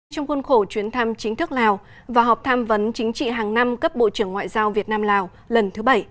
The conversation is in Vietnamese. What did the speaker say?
trong khuôn khổ chuyến thăm chính thức lào và họp tham vấn chính trị hàng năm cấp bộ trưởng ngoại giao việt nam lào lần thứ bảy